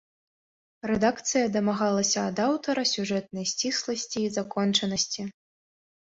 Рэдакцыя дамагалася ад аўтара сюжэтнай сцісласці і закончанасці.